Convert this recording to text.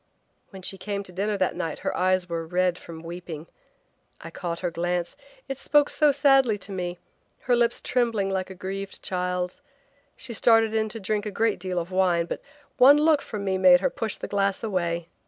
When she came to dinner that night her eyes were red from weeping. I caught her glance; it spoke so sadly to me, her lips trembling like a grieved child's. She started in to drink a great deal of wine but one look from me made her push her glass away.